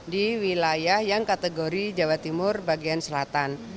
di wilayah yang kategori jawa timur bagian selatan